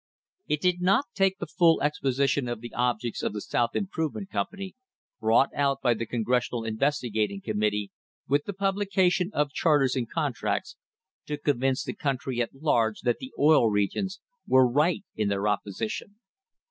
It did not take the full exposition of the objects of the South Improvement Company, brought out by the Congres sional Investigating Committee, with the publication of charters and contracts, to convince the country at large that the Oil Regions were right in their opposition.